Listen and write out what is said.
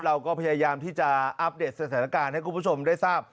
เราก็พยายามที่จะอัปเดตสถานการณ์ให้คุณผู้ชมได้ทราบ